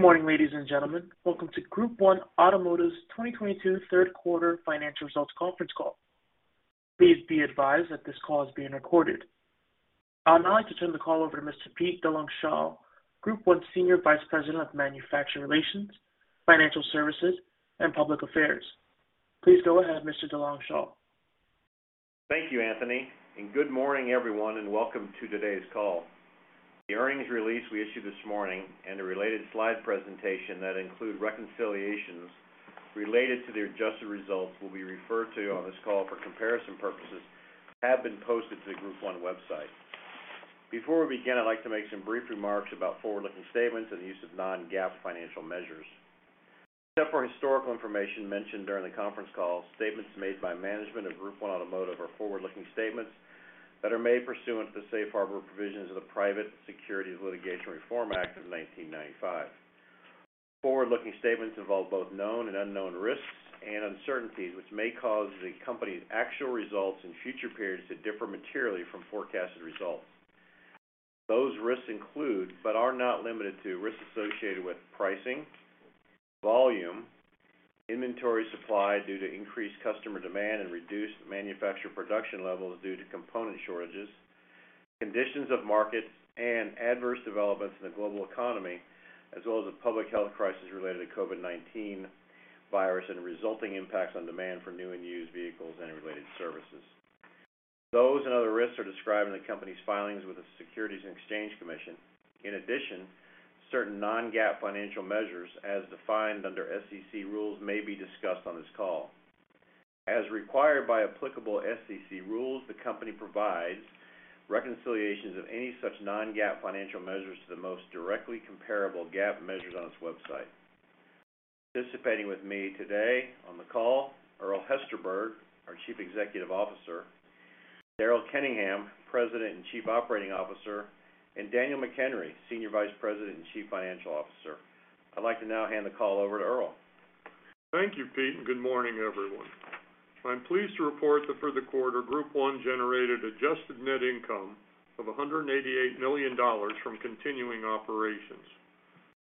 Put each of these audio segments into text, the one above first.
Good morning, ladies and gentlemen. Welcome to Group 1 Automotive's 2022 third quarter financial results conference call. Please be advised that this call is being recorded. I'd now like to turn the call over to Mr. Pete DeLongchamps, Group 1's Senior Vice President of Manufacturer Relations, Financial Services, and Public Affairs. Please go ahead, Mr. DeLongchamps. Thank you, Anthony, and good morning, everyone, and welcome to today's call. The earnings release we issued this morning and a related slide presentation that include reconciliations related to the adjusted results will be referred to on this call for comparison purposes have been posted to the Group 1 website. Before we begin, I'd like to make some brief remarks about forward-looking statements and the use of non-GAAP financial measures. Except for historical information mentioned during the conference call, statements made by management of Group 1 Automotive are forward-looking statements that are made pursuant to the safe harbor provisions of the Private Securities Litigation Reform Act of 1995. Forward-looking statements involve both known and unknown risks and uncertainties, which may cause the company's actual results in future periods to differ materially from forecasted results. Those risks include, but are not limited to, risks associated with pricing, volume, inventory supply due to increased customer demand and reduced manufacturer production levels due to component shortages, conditions of markets and adverse developments in the global economy, as well as a public health crisis related to COVID-19 virus and resulting impacts on demand for new and used vehicles and related services. Those and other risks are described in the company's filings with the Securities and Exchange Commission. In addition, certain non-GAAP financial measures, as defined under SEC rules, may be discussed on this call. As required by applicable SEC rules, the company provides reconciliations of any such non-GAAP financial measures to the most directly comparable GAAP measures on its website. Participating with me today on the call, Earl Hesterberg, our Chief Executive Officer, Daryl Kenningham, President and Chief Operating Officer, and Daniel McHenry, Senior Vice President and Chief Financial Officer. I'd like to now hand the call over to Earl. Thank you, Pete, and good morning, everyone. I'm pleased to report that for the quarter, Group 1 generated adjusted net income of $188 million from continuing operations.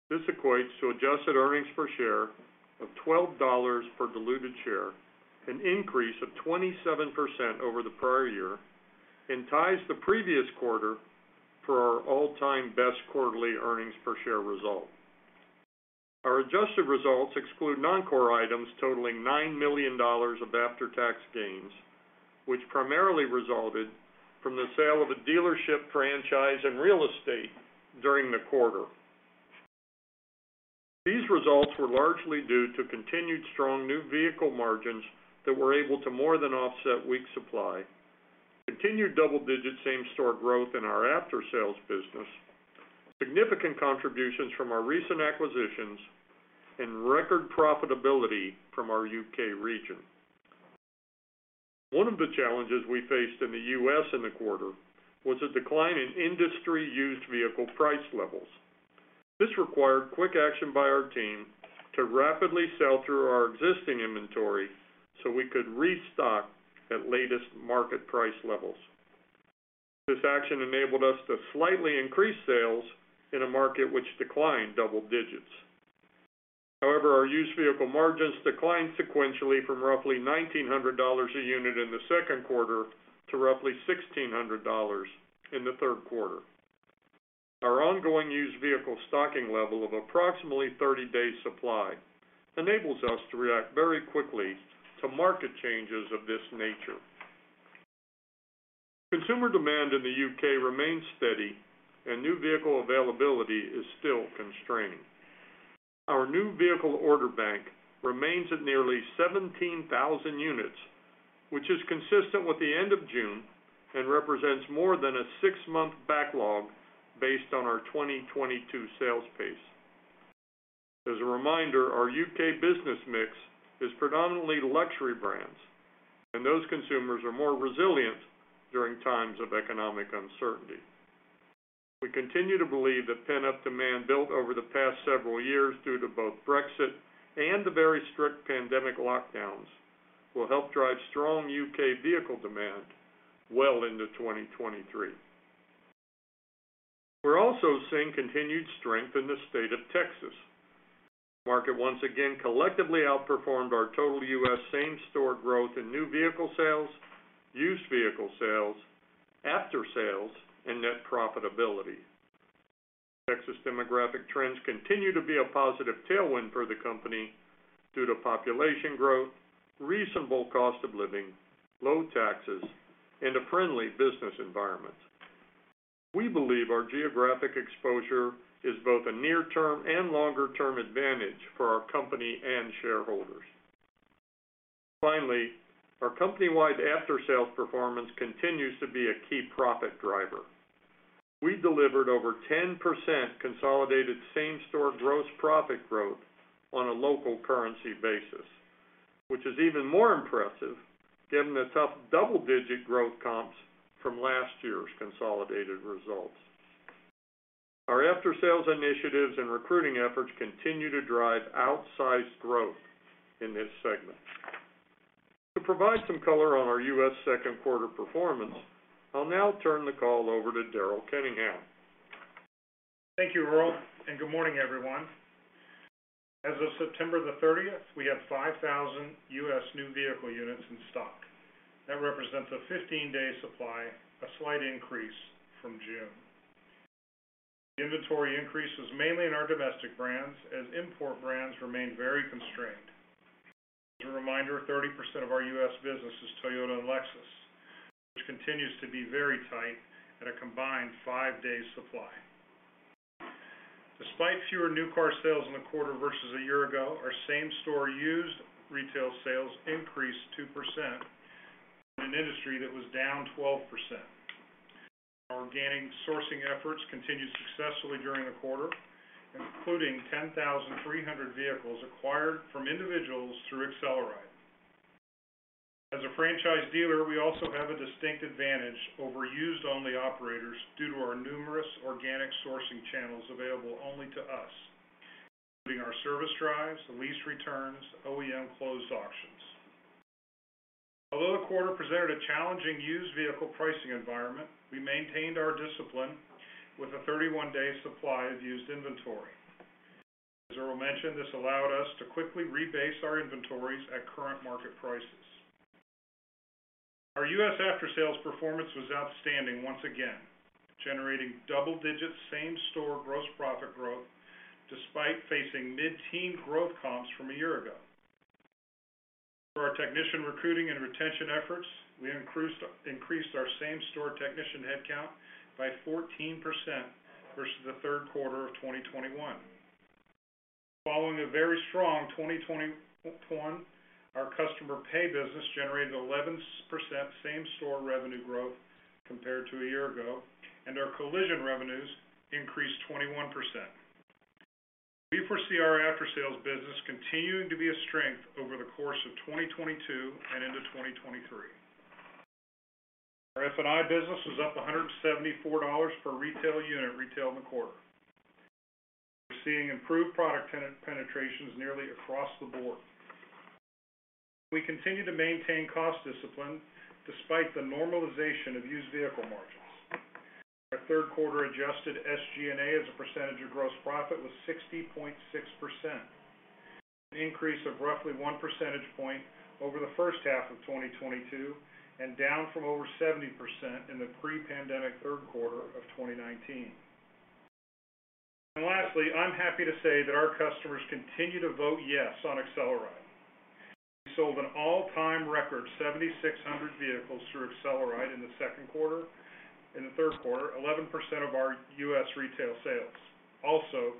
This equates to adjusted earnings per share of $12 per diluted share, an increase of 27% over the prior year, and ties the previous quarter for our all-time best quarterly earnings per share result. Our adjusted results exclude non-core items totaling $9 million of after-tax gains, which primarily resulted from the sale of a dealership franchise and real estate during the quarter. These results were largely due to continued strong new vehicle margins that were able to more than offset weak supply, continued double-digit same-store growth in our after-sales business, significant contributions from our recent acquisitions, and record profitability from our U.K. region. One of the challenges we faced in the U.S. In the quarter was a decline in industry used vehicle price levels. This required quick action by our team to rapidly sell through our existing inventory so we could restock at latest market price levels. This action enabled us to slightly increase sales in a market which declined double digits. However, our used vehicle margins declined sequentially from roughly $1,900 a unit in the second quarter to roughly $1,600 in the third quarter. Our ongoing used vehicle stocking level of approximately 30-day supply enables us to react very quickly to market changes of this nature. Consumer demand in the U.K. remains steady and new vehicle availability is still constrained. Our new vehicle order bank remains at nearly 17,000 units, which is consistent with the end of June and represents more than a six-month backlog based on our 2022 sales pace. As a reminder, our U.K. business mix is predominantly luxury brands, and those consumers are more resilient during times of economic uncertainty. We continue to believe that pent-up demand built over the past several years due to both Brexit and the very strict pandemic lockdowns will help drive strong U.K. vehicle demand well into 2023. We're also seeing continued strength in the state of Texas. The market once again collectively outperformed our total U.S. same-store growth in new vehicle sales, used vehicle sales, after sales, and net profitability. Texas demographic trends continue to be a positive tailwind for the company due to population growth, reasonable cost of living, low taxes, and a friendly business environment. We believe our geographic exposure is both a near-term and longer-term advantage for our company and shareholders. Finally, our company-wide after-sales performance continues to be a key profit driver. We delivered over 10% consolidated same-store gross profit growth on a local currency basis, which is even more impressive given the tough double-digit growth comps from last year's consolidated results. Our after-sales initiatives and recruiting efforts continue to drive outsized growth in this segment. To provide some color on our U.S. second quarter performance, I'll now turn the call over to Daryl Kenningham. Thank you, Earl, and good morning, everyone. As of September the thirtieth, we had 5,000 U.S. new vehicle units in stock. That represents a 15-day supply, a slight increase from June. Inventory increases mainly in our domestic brands as import brands remain very constrained. As a reminder, 30% of our U.S. business is Toyota and Lexus, which continues to be very tight at a combined five-day supply. Despite fewer new car sales in the quarter versus a year ago, our same-store used retail sales increased 2% in an industry that was down 12%. Our organic sourcing efforts continued successfully during the quarter, including 10,300 vehicles acquired from individuals through AcceleRide. As a franchise dealer, we also have a distinct advantage over used-only operators due to our numerous organic sourcing channels available only to us, including our service drives, the lease returns, OEM closed auctions. Although the quarter presented a challenging used vehicle pricing environment, we maintained our discipline with a 31-day supply of used inventory. As Earl mentioned, this allowed us to quickly rebase our inventories at current market prices. Our U.S. after-sales performance was outstanding once again, generating double-digit same-store gross profit growth despite facing mid-teen growth comps from a year ago. For our technician recruiting and retention efforts, we increased our same-store technician headcount by 14% versus the third quarter of 2021. Following a very strong 2021, our customer pay business generated 11% same-store revenue growth compared to a year ago, and our collision revenues increased 21%. We foresee our after-sales business continuing to be a strength over the course of 2022 and into 2023. Our F&I business was up $174 per retail unit retailed in the quarter. We're seeing improved product penetrations nearly across the board. We continue to maintain cost discipline despite the normalization of used vehicle margins. Our third quarter adjusted SG&A as a percentage of gross profit was 60.6%. An increase of roughly one percentage point over the first half of 2022 and down from over 70% in the pre-pandemic third quarter of 2019. Lastly, I'm happy to say that our customers continue to vote yes on AcceleRide. We sold an all-time record 7,600 vehicles through AcceleRide in the second quarter. In the third quarter, 11% of our U.S. retail sales, also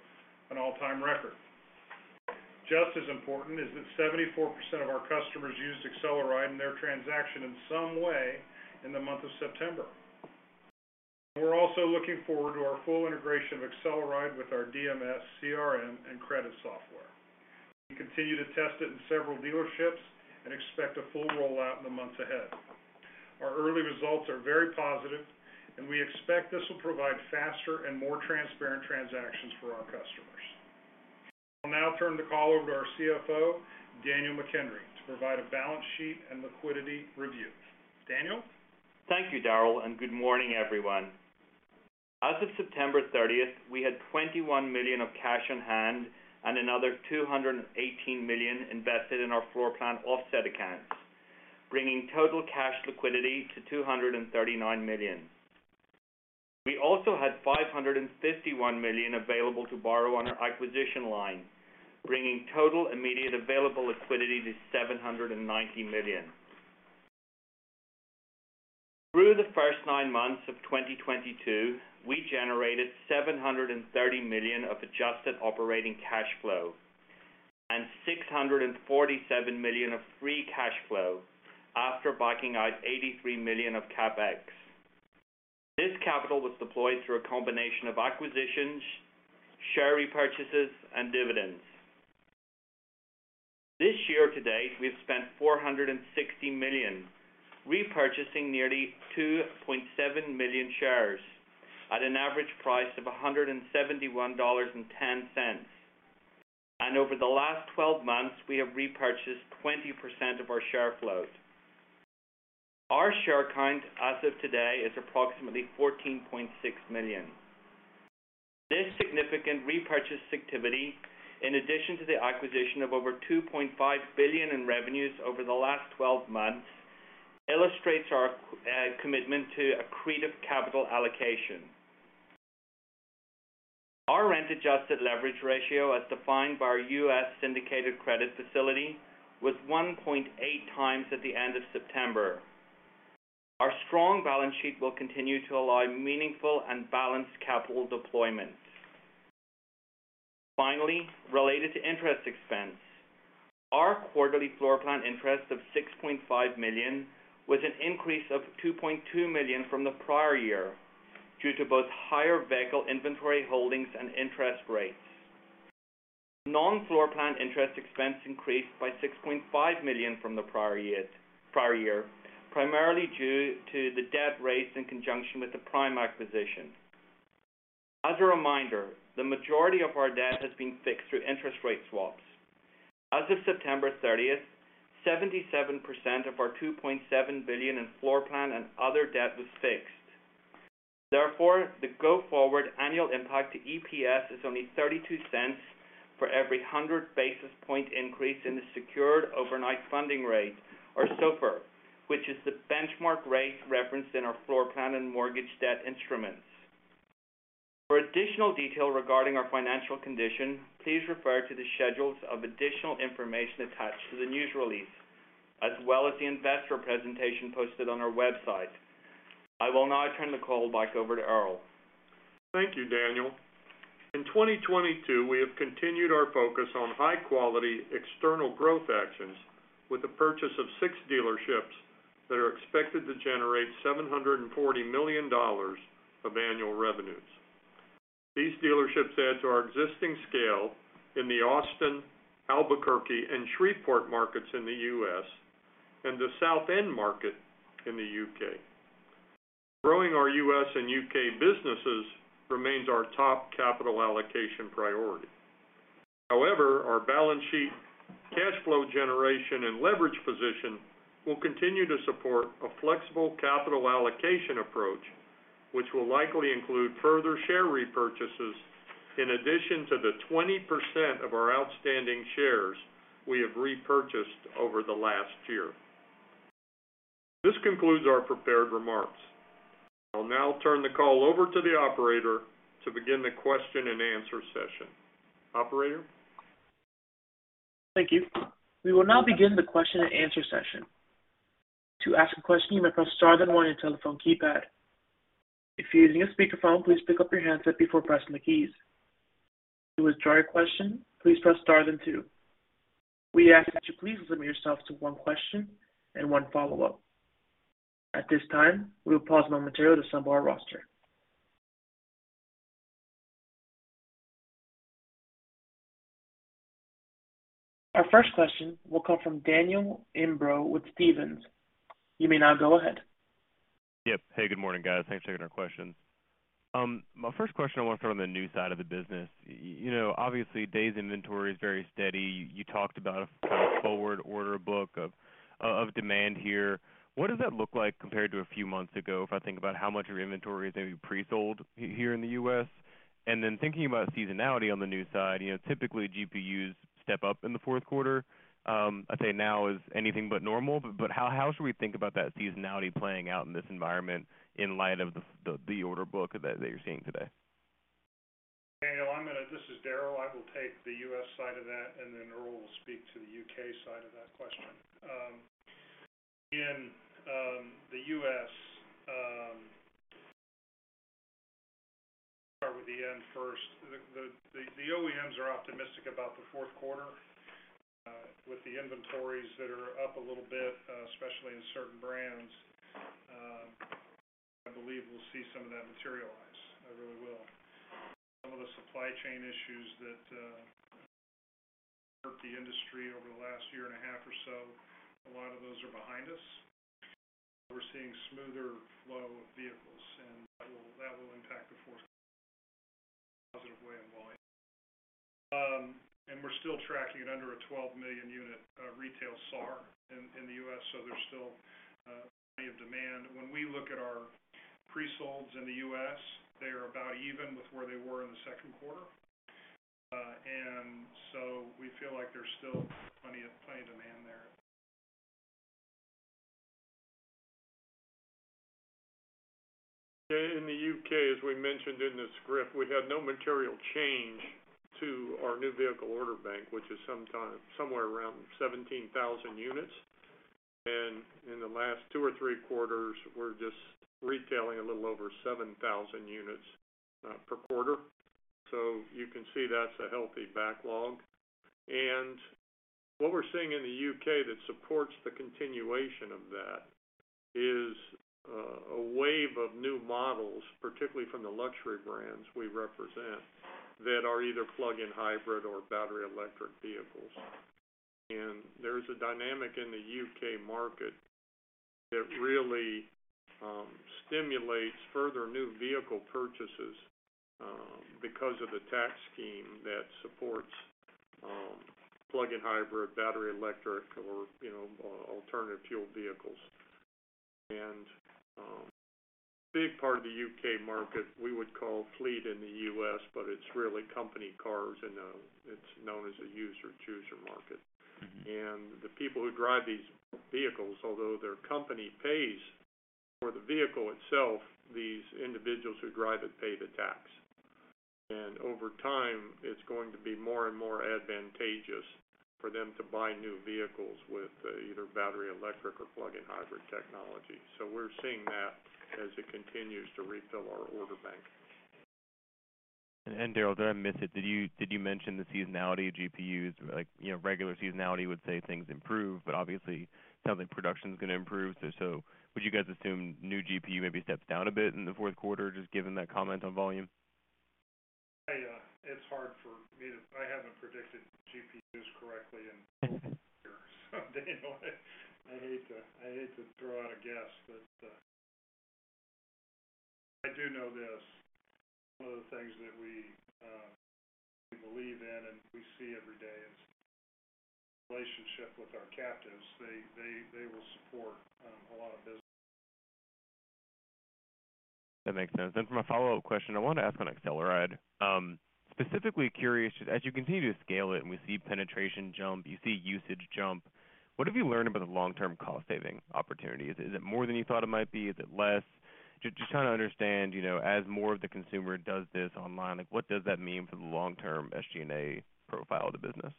an all-time record. Just as important is that 74% of our customers used AcceleRide in their transaction in some way in the month of September. We're also looking forward to our full integration of AcceleRide with our DMS, CRM, and credit software. We continue to test it in several dealerships and expect a full rollout in the months ahead. Our early results are very positive, and we expect this will provide faster and more transparent transactions for our customers. I will now turn the call over to our CFO, Daniel McHenry, to provide a balance sheet and liquidity review. Daniel? Thank you, Daryl, and good morning, everyone. As of September 30, we had $21 million of cash on hand and another $218 million invested in our floor plan offset accounts, bringing total cash liquidity to $239 million. We also had $551 million available to borrow on our acquisition line, bringing total immediate available liquidity to $790 million. Through the first nine months of 2022, we generated $730 million of adjusted operating cash flow and $647 million of free cash flow after backing out $83 million of CapEx. This capital was deployed through a combination of acquisitions, share repurchases, and dividends. This year to date, we've spent $460 million, repurchasing nearly 2.7 million shares at an average price of $171.10. Over the last 12 months, we have repurchased 20% of our share float. Our share count as of today is approximately 14.6 million. This significant repurchase activity, in addition to the acquisition of over $2.5 billion in revenues over the last 12 months, illustrates our commitment to accretive capital allocation. Our net-adjusted leverage ratio, as defined by our U.S. syndicated credit facility, was 1.8x at the end of September. Our strong balance sheet will continue to allow meaningful and balanced capital deployment. Finally, related to interest expense, our quarterly floor plan interest of $6.5 million was an increase of $2.2 million from the prior year due to both higher vehicle inventory holdings and interest rates. Non-floor plan interest expense increased by $6.5 million from the prior year, primarily due to the debt raised in conjunction with the Prime acquisition. As a reminder, the majority of our debt has been fixed through interest rate swaps. As of September 30, 77% of our $2.7 billion in floor plan and other debt was fixed. Therefore, the go-forward annual impact to EPS is only $0.32 for every 100 basis point increase in the secured overnight funding rate, or SOFR, which is the benchmark rate referenced in our floor plan and mortgage debt instruments. For additional detail regarding our financial condition, please refer to the schedules of additional information attached to the news release, as well as the investor presentation posted on our website. I will now turn the call back over to Earl. Thank you, Daniel. In 2022, we have continued our focus on high-quality external growth actions with the purchase of six dealerships that are expected to generate $740 million of annual revenues. These dealerships add to our existing scale in the Austin, Albuquerque, and Shreveport markets in the U.S. and the Southend market in the U.K. Growing our U.S. and U.K. businesses remains our top capital allocation priority. However, our balance sheet, cash flow generation, and leverage position will continue to support a flexible capital allocation approach, which will likely include further share repurchases in addition to the 20% of our outstanding shares we have repurchased over the last year. This concludes our prepared remarks. I'll now turn the call over to the operator to begin the question and answer session. Operator? Thank you. We will now begin the question and answer session. To ask a question, you may press star then one on your telephone keypad. If you're using a speakerphone, please pick up your handset before pressing the keys. To withdraw your question, please press star then two. We ask that you please limit yourself to one question and one follow-up. At this time, we will pause momentarily to assemble our roster. Our first question will come from Daniel Imbro with Stephens. You may now go ahead. Yep. Hey, good morning, guys. Thanks for taking our questions. My first question I want to throw on the new side of the business. You know, obviously, days inventory is very steady. You talked about a kind of forward order book of demand here. What does that look like compared to a few months ago, if I think about how much of your inventory is maybe pre-sold here in the U.S.? Thinking about seasonality on the new side, you know, typically GPUs step up in the fourth quarter. I'd say now is anything but normal, but how should we think about that seasonality playing out in this environment in light of the order book that you're seeing today? Daniel, this is Daryl. I will take the US side of that, and then Earl will speak to the UK side of that question. Again, the US, start with the end first. The OEMs are optimistic about the fourth quarter with the inventories that are up a little bit, especially in certain brands. I believe we'll see some of that materialize. I really will. Some of the supply chain issues that hurt the industry over the last year and a half or so, a lot of those are behind us. We're seeing smoother flow of vehicles, and that will impact the fourth quarter in a positive way in volume. We're still tracking at under a 12 million unit retail SAR in the US, so there's still plenty of demand. When we look at our pre-solds in the U.S., they are about even with where they were in the second quarter. We feel like there's still plenty of demand there. In the U.K., as we mentioned in the script, we've had no material change to our new vehicle order bank, which is somewhere around 17,000 units. In the last two or three quarters, we're just retailing a little over 7,000 units per quarter. You can see that's a healthy backlog. What we're seeing in the U.K. that supports the continuation of that is a wave of new models, particularly from the luxury brands we represent, that are either plug-in hybrid or battery electric vehicles. There's a dynamic in the U.K. market that really stimulates further new vehicle purchases because of the tax scheme that supports plug-in hybrid, battery electric or, you know, alternative fuel vehicles. A big part of the U.K. market we would call fleet in the U.S., but it's really company cars, and it's known as a user-chooser market. The people who drive these vehicles, although their company pays for the vehicle itself, these individuals who drive it pay the tax. Over time, it's going to be more and more advantageous for them to buy new vehicles with either battery electric or plug-in hybrid technology. We're seeing that as it continues to refill our order bank. Daryl, did I miss it? Did you mention the seasonality of GPUs? Like, you know, regular seasonality would say things improve, but obviously, it's not like production's gonna improve. So would you guys assume new GPU maybe steps down a bit in the fourth quarter, just given that comment on volume? I haven't predicted GPUs correctly in years. Daniel, I hate to throw out a guess, but I do know this. One of the things that we believe in and we see every day is relationship with our captives. They will support a lot of business. That makes sense. For my follow-up question, I want to ask on AcceleRide. Specifically curious, as you continue to scale it, and we see penetration jump, you see usage jump, what have you learned about the long-term cost-saving opportunities? Is it more than you thought it might be? Is it less? Just trying to understand, you know, as more of the consumer does this online, like, what does that mean for the long-term SG&A profile of the business?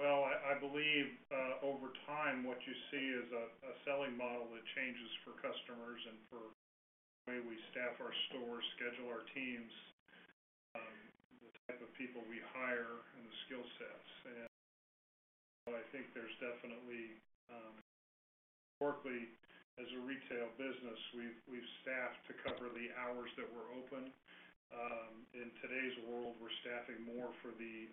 Well, I believe, over time, what you see is a selling model that changes for customers and for the way we staff our stores, schedule our teams, the type of people we hire and the skill sets. I think there's definitely, historically, as a retail business, we've staffed to cover the hours that we're open. In today's world, we're staffing more for the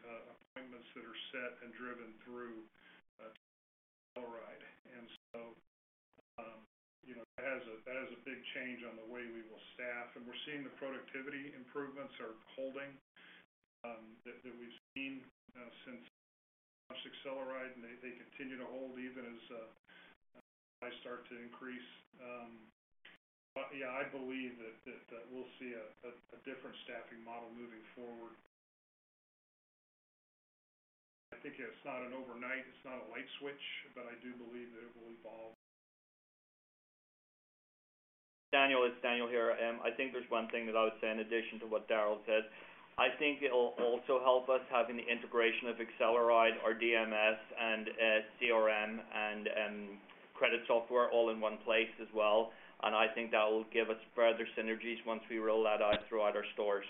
appointments that are set and driven through AcceleRide. You know, that has a big change on the way we will staff. We're seeing the productivity improvements are holding, that we've seen since AcceleRide, and they continue to hold even as buys start to increase. But yeah, I believe that we'll see a different staffing model moving forward. I think it's not an overnight, it's not a light switch, but I do believe that it will evolve. Daniel, it's Daniel here. I think there's one thing that I would say in addition to what Daryl said. I think it'll also help us having the integration of AcceleRide, our DMS, and CRM and credit software all in one place as well. I think that will give us further synergies once we roll that out throughout our stores.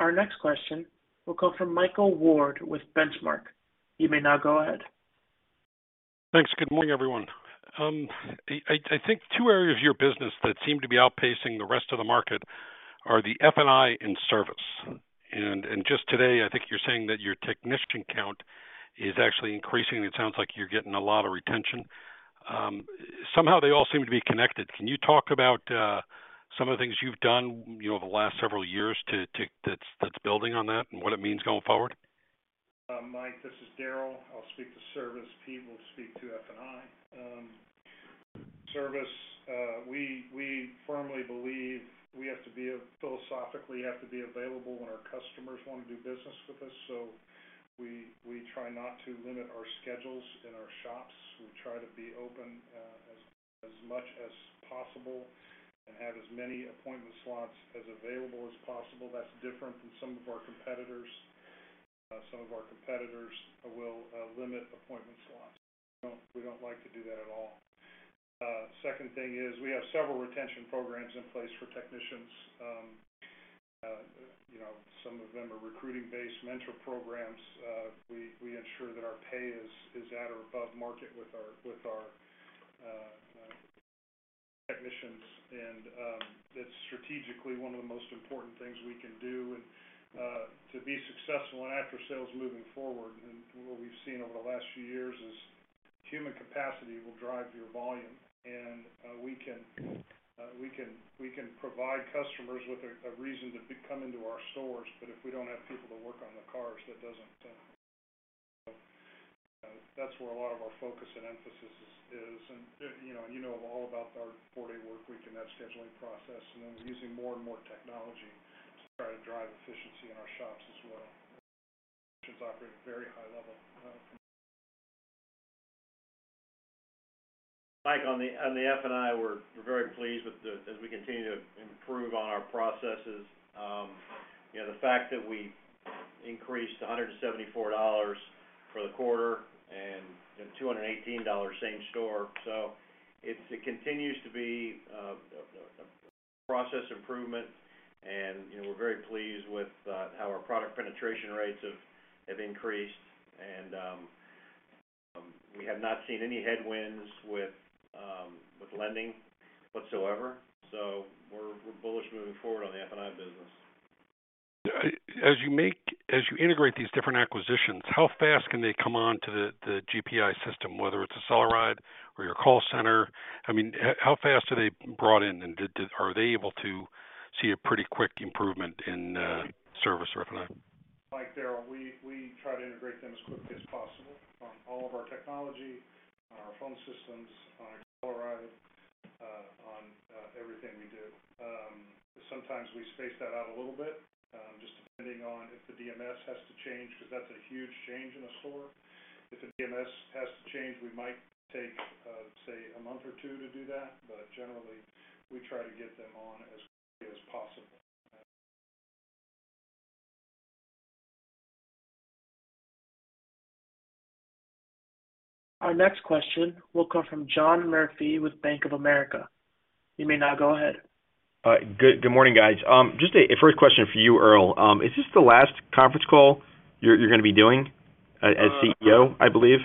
Our next question will come from Michael Ward with Benchmark. You may now go ahead. Thanks. Good morning, everyone. I think two areas of your business that seem to be outpacing the rest of the market are the F&I and service. Just today, I think you're saying that your technician count is actually increasing. It sounds like you're getting a lot of retention. Somehow they all seem to be connected. Can you talk about some of the things you've done, you know, over the last several years, that's building on that and what it means going forward? Mike, this is Daryl. I'll speak to service. Pete will speak to F&I. Service, we firmly believe we have to be, philosophically, have to be available when our customers want to do business with us, so we try not to limit our schedules in our shops. We try to be open as much as possible and have as many appointment slots as available as possible. That's different from some of our competitors. Some of our competitors will limit appointment slots. We don't like to do that at all. Second thing is we have several retention programs in place for technicians. You know, some of them are recruiting-based mentor programs. We ensure that our pay is at or above market with our technicians. That's strategically one of the most important things we can do to be successful in after sales moving forward. What we've seen over the last few years is human capacity will drive your volume, and we can provide customers with a reason to be coming to our stores, but if we don't have people to work on the cars, that doesn't. That's where a lot of our focus and emphasis is. You know all about our four-day workweek and that scheduling process, and then we're using more and more technology to try to drive efficiency in our shops as well. Operators operate at a very high level. Mike, on the F&I, we're very pleased as we continue to improve on our processes. You know, the fact that we increased to $174 for the quarter and $218 same store. It continues to be a process improvement, and you know, we're very pleased with how our product penetration rates have increased. We have not seen any headwinds with lending whatsoever. We're bullish moving forward on the F&I business. As you integrate these different acquisitions, how fast can they come on to the GPI system, whether it's AcceleRide or your call center? I mean, how fast are they brought in? Are they able to see a pretty quick improvement in service or F&I? Mike, Daryl, we try to integrate them as quickly as possible on all of our technology, on our phone systems, on AcceleRide, on everything we do. Sometimes we space that out a little bit, just depending on if the DMS has to change, because that's a huge change in a store. If the DMS has to change, we might take, say, a month or two to do that, but generally, we try to get them on as quickly as possible. Our next question will come from John Murphy with Bank of America. You may now go ahead. Good morning, guys. Just a first question for you, Earl. Is this the last conference call you're gonna be doing as CEO, I believe?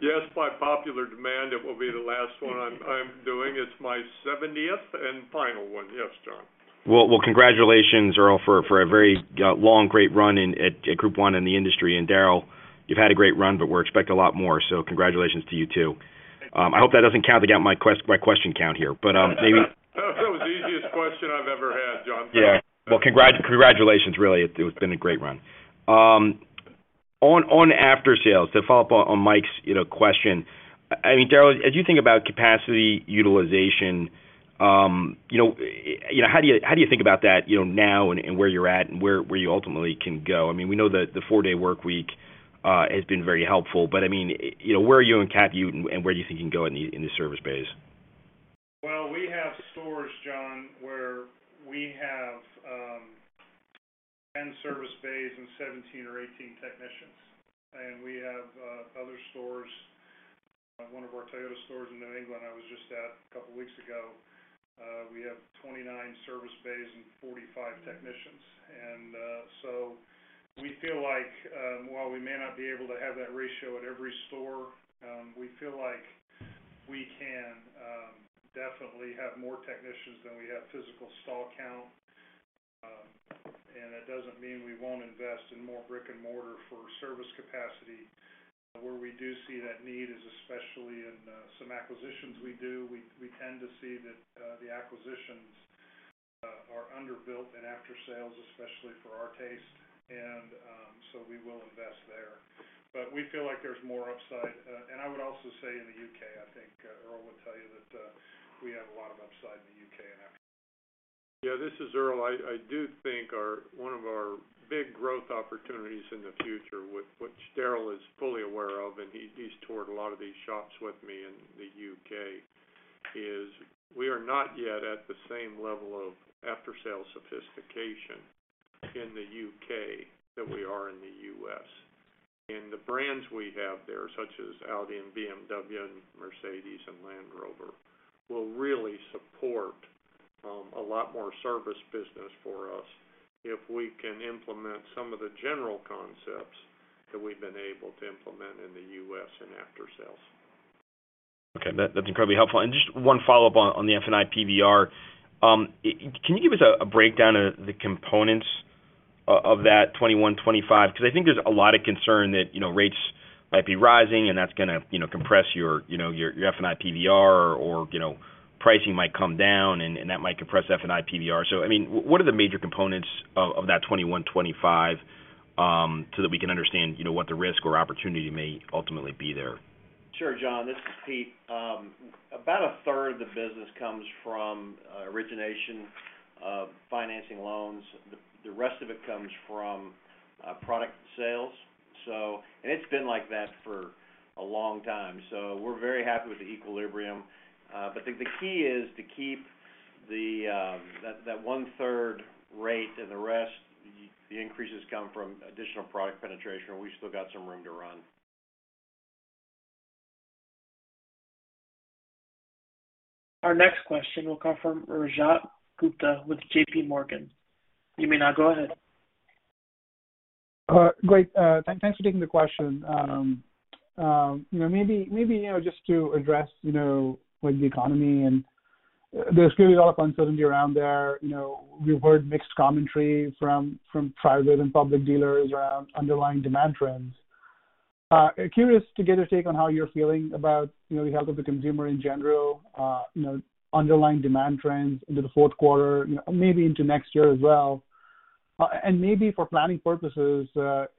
Yes, by popular demand, it will be the last one I'm doing. It's my seventieth and final one. Yes, John. Well, well, congratulations, Earl, for a very long great run at Group 1 in the industry. Daryl, you've had a great run, but we expect a lot more, so congratulations to you, too. I hope that doesn't count against my question count here, but maybe. That was the easiest question I've ever had, John. Yeah. Well, congratulations, really. It's been a great run. On aftersales, to follow up on Mike's, you know, question. I mean, Daryl, as you think about capacity utilization, you know, how do you think about that, you know, now and where you're at and where you ultimately can go? I mean, we know that the four-day work week has been very helpful, but I mean, you know, where are you on capacity utilization and where do you think you can go in the service bays? Well, we have stores, John, where we have 10 service bays and 17 or 18 technicians. We have other stores, one of our Toyota stores in New England I was just at a couple weeks ago, we have 29 service bays and 45 technicians. We feel like, while we may not be able to have that ratio at every store, we feel like we can definitely have more technicians than we have physical stall count. That doesn't mean we won't invest in more brick-and-mortar for service capacity. Where we do see that need is especially in some acquisitions we do. We tend to see that the acquisitions are underbuilt in aftersales, especially for our taste, so we will invest there. We feel like there's more upside. I would also say in the U.K., I think, Earl would tell you that we have a lot of upside in the U.K. Yeah, this is Earl. I do think our one of our big growth opportunities in the future, which Darryl is fully aware of, and he's toured a lot of these shops with me in the U.K., is we are not yet at the same level of aftersales sophistication in the U.K. that we are in the U.S.. The brands we have there, such as Audi and BMW and Mercedes-Benz and Land Rover, will really support a lot more service business for us if we can implement some of the general concepts that we've been able to implement in the US in aftersales. Okay. That's incredibly helpful. Just one follow-up on the F&I PVR. Can you give us a breakdown of the components of that $21.25? 'Cause I think there's a lot of concern that, you know, rates might be rising and that's gonna, you know, compress your F&I PVR or, you know, pricing might come down and that might compress F&I PVR. I mean, what are the major components of that $21.25, so that we can understand, you know, what the risk or opportunity may ultimately be there? Sure, John. This is Pete. About a third of the business comes from origination of financing loans. The rest of it comes from product sales. It's been like that for a long time. We're very happy with the equilibrium. The key is to keep that one-third rate and the rest. The increases come from additional product penetration, and we still got some room to run. Our next question will come from Rajat Gupta with JPMorgan. You may now go ahead. Great. Thanks for taking the question. You know, maybe you know, just to address you know, with the economy and there's clearly a lot of uncertainty around there. You know, we've heard mixed commentary from private and public dealers around underlying demand trends. Curious to get a take on how you're feeling about you know, the health of the consumer in general, you know, underlying demand trends into the fourth quarter, you know, maybe into next year as well. Maybe for planning purposes,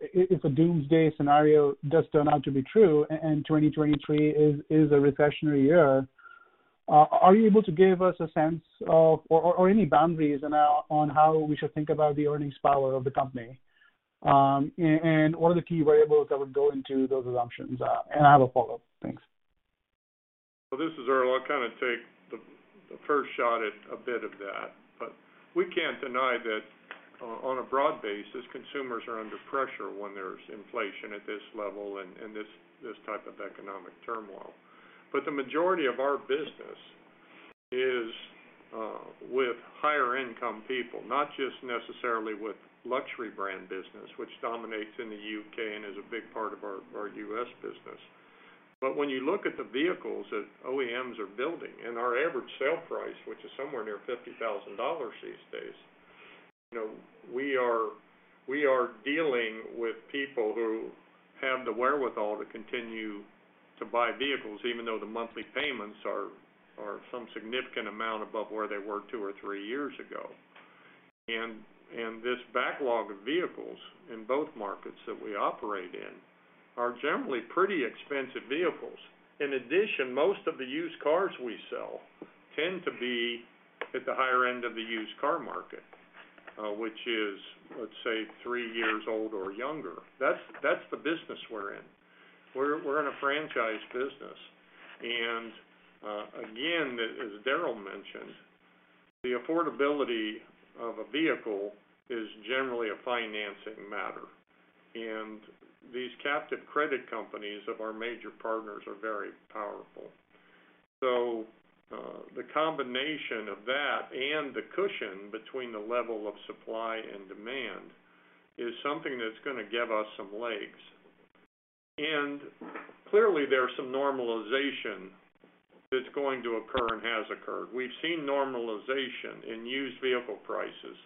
if a doomsday scenario does turn out to be true and 2023 is a recessionary year, are you able to give us a sense of, or any boundaries on how we should think about the earnings power of the company? What are the key variables that would go into those assumptions? I have a follow-up. Thanks. This is Earl. I'll kind of take the first shot at a bit of that. We can't deny that on a broad basis, consumers are under pressure when there's inflation at this level and this type of economic turmoil. The majority of our business is with higher income people, not just necessarily with luxury brand business, which dominates in the U.K. and is a big part of our U.S. business. When you look at the vehicles that OEMs are building and our average sale price, which is somewhere near $50,000 these days, you know, we are dealing with people who have the wherewithal to continue to buy vehicles, even though the monthly payments are some significant amount above where they were two or three years ago. This backlog of vehicles in both markets that we operate in are generally pretty expensive vehicles. In addition, most of the used cars we sell tend to be at the higher end of the used car market, which is, let's say, three years old or younger. That's the business we're in. We're in a franchise business. Again, as Darryl mentioned, the affordability of a vehicle is generally a financing matter. These captive credit companies of our major partners are very powerful. The combination of that and the cushion between the level of supply and demand is something that's gonna give us some legs. Clearly, there's some normalization that's going to occur and has occurred. We've seen normalization in used vehicle prices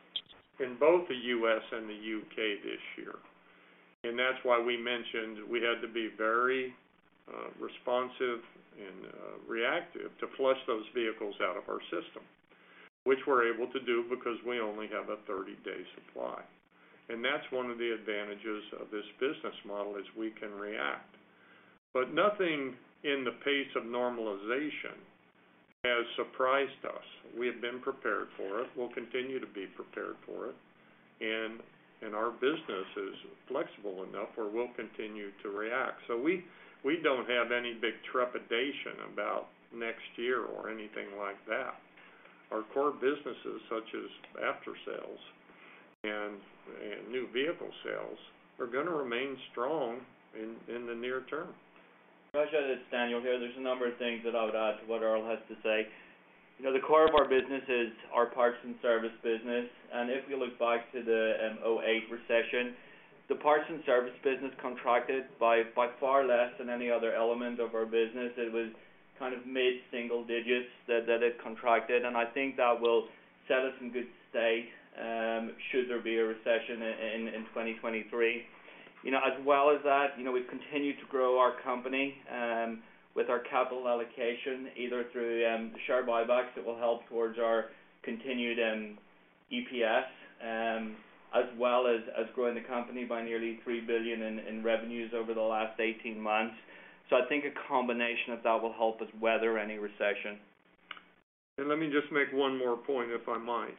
in both the U.S. and the U.K. this year, and that's why we mentioned we had to be very responsive and reactive to flush those vehicles out of our system, which we're able to do because we only have a 30-day supply. That's one of the advantages of this business model, is we can react. Nothing in the pace of normalization has surprised us. We have been prepared for it. We'll continue to be prepared for it, and our business is flexible enough where we'll continue to react. We don't have any big trepidation about next year or anything like that. Our core businesses, such as after sales and new vehicle sales, are gonna remain strong in the near term. Raj, it's Daniel here. There's a number of things that I would add to what Earl has to say. You know, the core of our business is our parts and service business, and if we look back to the 2008 recession, the parts and service business contracted by far less than any other element of our business. It was kind of mid-single digits that it contracted, and I think that will set us in good stead should there be a recession in 2023. You know, as well as that, you know, we've continued to grow our company with our capital allocation, either through the share buybacks that will help towards our continued EPS as well as growing the company by nearly $3 billion in revenues over the last 18 months. I think a combination of that will help us weather any recession. Let me just make one more point, if I might.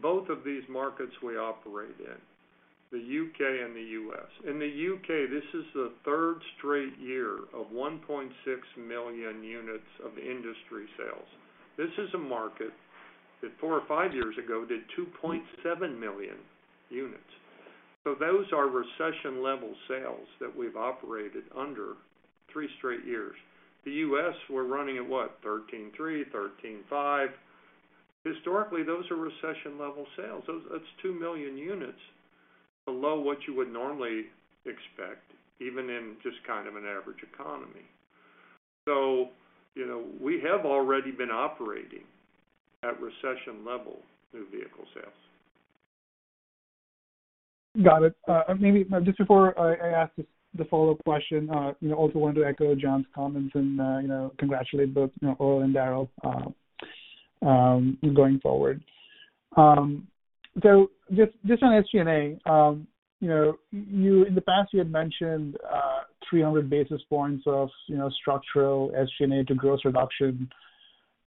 Both of these markets we operate in, the U.K. and the U.S. In the U.K., this is the third straight year of 1.6 million units of industry sales. This is a market that four or five years ago did 2.7 million units. Those are recession-level sales that we've operated under three straight years. The U.S. we're running at what? 13.3, 13.5. Historically, those are recession-level sales. Those. That's 2 million units below what you would normally expect, even in just kind of an average economy. You know, we have already been operating at recession-level new vehicle sales. Got it. Maybe just before I ask this, the follow-up question, you know, also wanted to echo John's comments and, you know, congratulate both, you know, Earl and Daryl, going forward. Just on SG&A, you know, in the past, you had mentioned, 300 basis points of, you know, structural SG&A to gross reduction,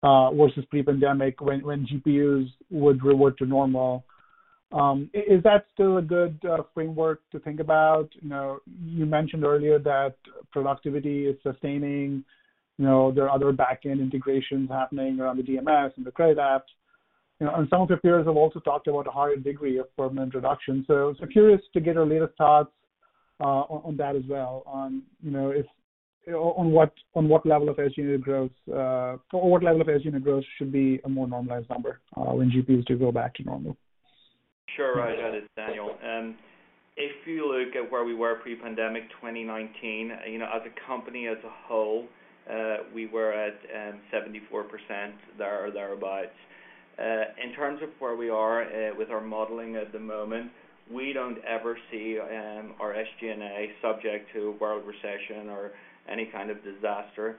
versus pre-pandemic when GPUs would revert to normal. Is that still a good framework to think about? You know, you mentioned earlier that productivity is sustaining. You know, there are other back-end integrations happening around the DMS and the credit apps. You know, and some of your peers have also talked about a higher degree of permanent reduction. I was curious to get your latest thoughts on that as well, you know, on what level of SG&A gross should be a more normalized number, when GPUs do go back to normal. Sure. Raj, hi, this is Daniel. If you look at where we were pre-pandemic 2019, you know, as a company as a whole, we were at 74% there or thereabouts. In terms of where we are with our modeling at the moment, we don't ever see our SG&A subject to world recession or any kind of disaster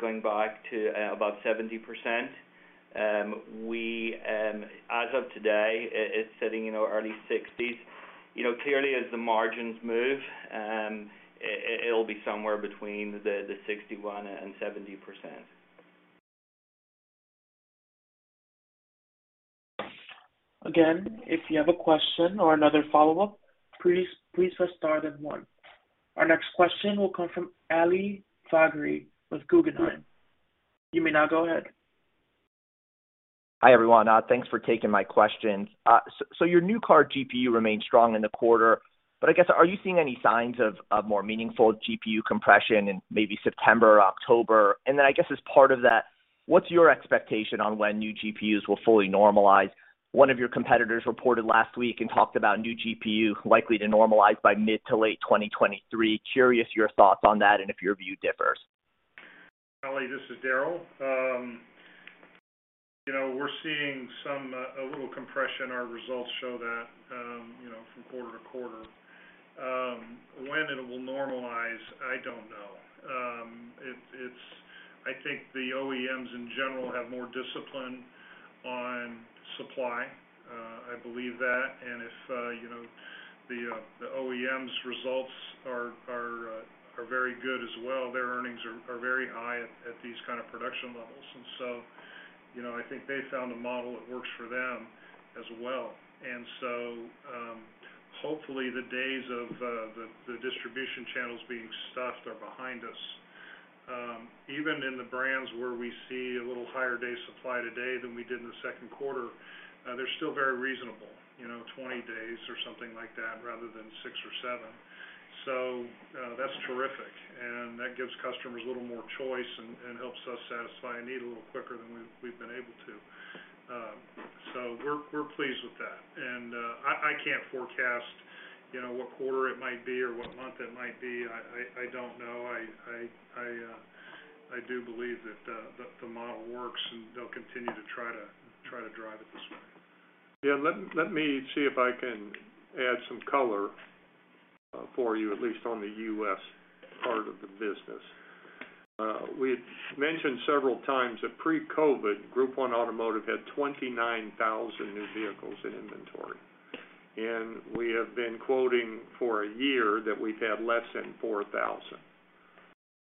going back to about 70%. As of today, it's sitting in our early 60s. You know, clearly as the margins move, it will be somewhere between 61% and 70%. Again, if you have a question or another follow-up, please press star then one. Our next question will come from Ali Faghri with Guggenheim. You may now go ahead. Hi, everyone. Thanks for taking my questions. So your new car GPU remained strong in the quarter, but I guess, are you seeing any signs of a more meaningful GPU compression in maybe September or October? Then I guess as part of that, what's your expectation on when new GPUs will fully normalize? One of your competitors reported last week and talked about new GPU likely to normalize by mid- to late 2023. Curious your thoughts on that and if your view differs. Ali Faghri, this is Daryl. You know, we're seeing some a little compression. Our results show that, you know, from quarter to quarter. When it will normalize, I don't know. I think the OEMs in general have more discipline on supply. I believe that. If you know, the OEMs' results are very good as well, their earnings are very high at these kind of production levels. You know, I think they found a model that works for them as well. Hopefully the days of the distribution channels being stuffed are behind us. Even in the brands where we see a little higher day supply today than we did in the second quarter, they're still very reasonable, you know, 20 days or something like that, rather than six or seven. That's terrific. That gives customers a little more choice and helps us satisfy a need a little quicker than we've been able to. We're pleased with that. I can't forecast, you know, what quarter it might be or what month it might be. I don't know. I do believe that the model works, and they'll continue to try to drive it this way. Daniel, let me see if I can add some color for you, at least on the U.S. part of the business. We've mentioned several times that pre-COVID, Group 1 Automotive had 29,000 new vehicles in inventory. We have been quoting for a year that we've had less than 4,000.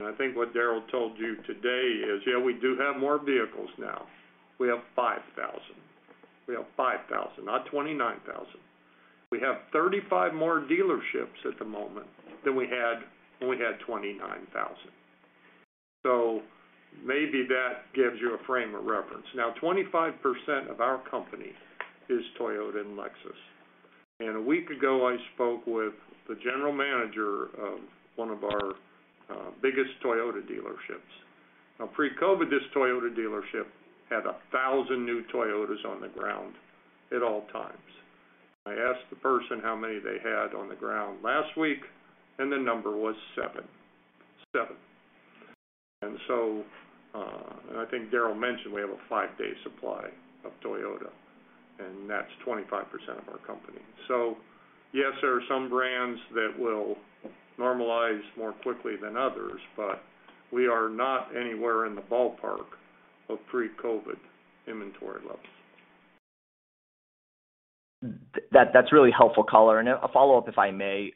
I think what Daryl told you today is, yeah, we do have more vehicles now. We have 5,000. We have 5,000, not 29,000. We have 35 more dealerships at the moment than we had when we had 29,000. Maybe that gives you a frame of reference. Now, 25% of our company is Toyota and Lexus. A week ago, I spoke with the general manager of one of our biggest Toyota dealerships. Pre-COVID, this Toyota dealership had 1,000 new Toyotas on the ground at all times. I asked the person how many they had on the ground last week, and the number was seven. Seven. I think Daryl mentioned we have a five-day supply of Toyota, and that's 25% of our company. Yes, there are some brands that will normalize more quickly than others, but we are not anywhere in the ballpark of pre-COVID-19 inventory levels. That's really helpful color. A follow-up, if I may.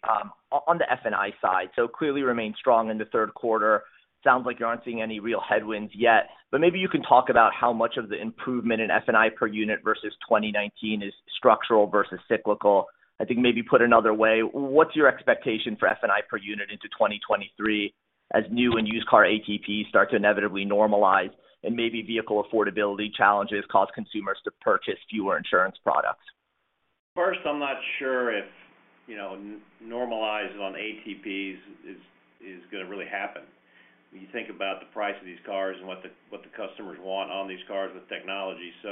On the F&I side, so clearly remain strong in the third quarter. Sounds like you aren't seeing any real headwinds yet, but maybe you can talk about how much of the improvement in F&I per unit versus 2019 is structural versus cyclical. I think maybe put another way, what's your expectation for F&I per unit into 2023 as new and used car ATP start to inevitably normalize and maybe vehicle affordability challenges cause consumers to purchase fewer insurance products? First, I'm not sure if, you know, normalize on ATPs is gonna really happen. When you think about the price of these cars and what the customers want on these cars with technology. You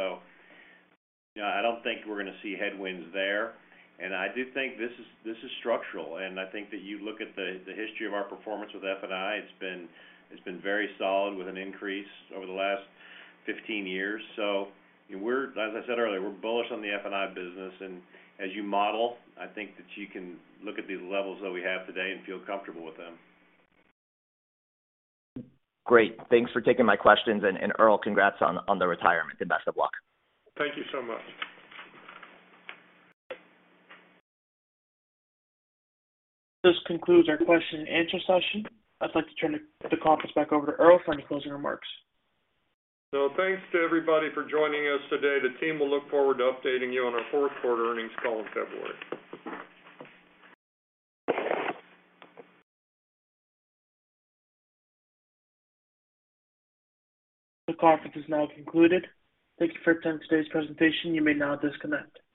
know, I don't think we're gonna see headwinds there. I do think this is structural, and I think that you look at the history of our performance with F&I, it's been very solid with an increase over the last 15 years. We're, as I said earlier, we're bullish on the F&I business, and as you model, I think that you can look at the levels that we have today and feel comfortable with them. Great. Thanks for taking my questions. Earl, congrats on the retirement and best of luck. Thank you so much. This concludes our question and answer session. I'd like to turn the conference back over to Earl for any closing remarks. Thanks to everybody for joining us today. The team will look forward to updating you on our fourth-quarter earnings call in February. The conference is now concluded. Thank you for attending today's presentation. You may now disconnect.